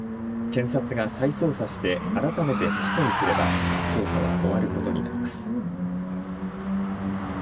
検察が再捜査して改めて不起訴にすれば捜査は終わることになります。